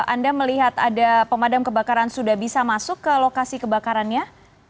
anda melihat ada pemadam kebakaran sudah bisa masuk ke lokasi kebakarannya